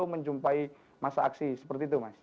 menjumpai masa aksi seperti itu mas